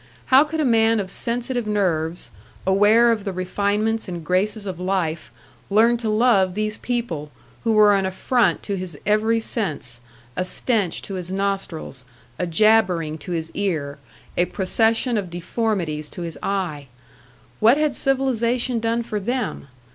How could a man of sensitive nerves, aware of the refinements and graces of life, learn to love these people, who were an affront to his every sense a stench to his nostrils, a jabbering to his ear, a procession of deformities to his eye? What had civilisation done for them?